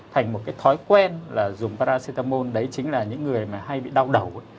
thành một cái thói quen là dùng paracetamol đấy chính là những người mà hay bị đau đầu